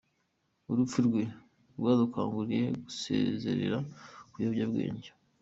Urupfu rwe rwadukanguriye gusezera ku biyobyabwenge.